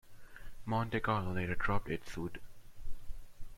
Monte Carlo later dropped its suit.